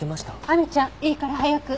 亜美ちゃんいいから早く。